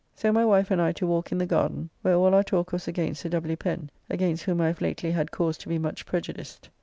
So my wife and I to walk in the garden, where all our talk was against Sir W. Pen, against whom I have lately had cause to be much prejudiced.